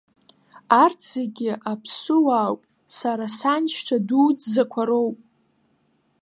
Арҭ зегьы аԥсыуаауп, сара саншьцәа дуӡӡақәа роуп.